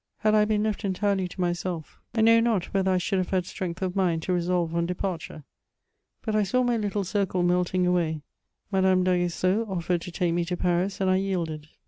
Had 1 been left entirely to myself, I know not whether I should have had strength of mind to resolve on departure; but I saw my little circle melting away, Madame d* Agues* seau offered to take me to Paris, and I yielded.